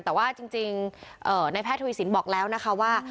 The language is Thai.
แต่ว่าจริงในแพทย์ทวีสินบอกแล้วนะคะว่า